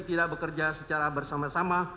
tidak bekerja secara bersama sama